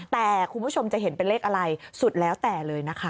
แต่คุณผู้ชมจะเห็นเป็นเลขอะไรสุดแล้วแต่เลยนะคะ